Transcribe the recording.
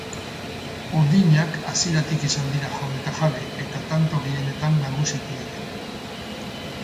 Urdinak hasieratik izan dira jaun eta jabe eta tanto gehienetan nagusitu dira.